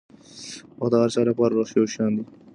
وخت د هر چا لپاره یو شان دی.